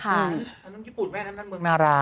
อันนั้นญี่ปุ่นแม่อันนั้นเมืองนารา